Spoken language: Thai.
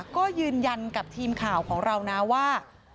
ก็ยืนยันกับทีมข่าวของเรานะว่า